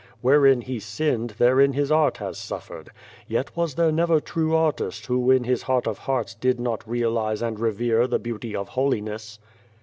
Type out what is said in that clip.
Wherein he sinned, therein 80 Beyond the Door his art has suffered ; yet was there never true artist who in his heart of hearts did not realise and revere the beauty of holiness.